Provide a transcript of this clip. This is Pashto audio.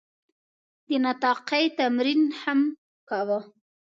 د نطاقي تمرین هم کاوه.